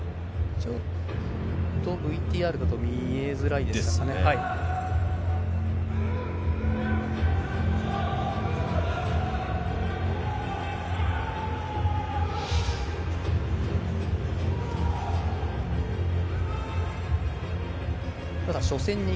ちょっとＶＴＲだと見えづらいですかね。ですね。